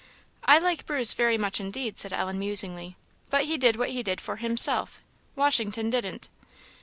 "I like Bruce very much indeed," said Ellen musingly; "but he did what he did for himself Washington didn't."